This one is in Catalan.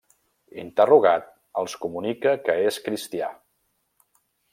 Interrogat, els comunica que és cristià.